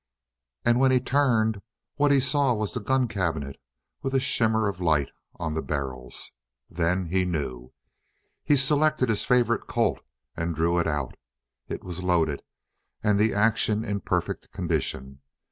And when he turned, what he saw was the gun cabinet with a shimmer of light on the barrels. Then he knew. He selected his favorite Colt and drew it out. It was loaded, and the action in perfect condition.